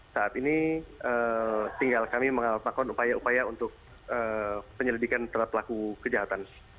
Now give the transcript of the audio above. saat ini tinggal kami melakukan upaya upaya untuk penyelidikan terhadap pelaku kejahatan